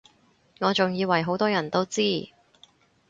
我仲以爲好多人都知